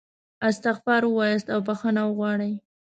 استغفار ووایاست او بخښنه وغواړئ.